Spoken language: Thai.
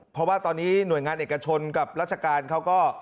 เพราะว่าตอนนี้หน่วยงานเอกชนกับราชการเขาก็